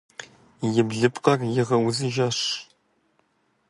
И блыпкъыр игъэузыжащ.